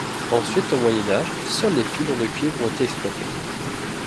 Ensuite au Moyen Âge, seuls les filons de cuivre ont été exploités.